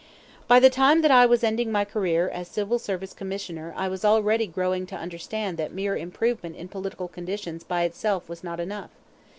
By the time that I was ending my career as Civil Service Commissioner I was already growing to understand that mere improvement in political conditions by itself was not enough.